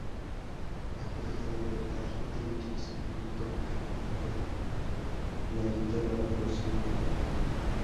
Aquejado de artritis, no toca ya la guitarra, pero sigue cantando.